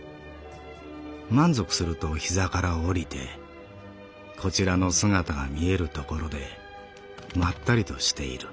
満足すると膝から降りてこちらの姿が見えるところでまったりとしている」。